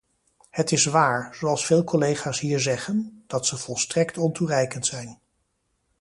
Het is waar, zoals veel collega's hier zeggen, dat ze volstrekt ontoereikend zijn.